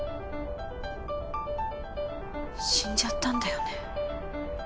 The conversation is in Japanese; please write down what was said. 死んじゃったんだよね。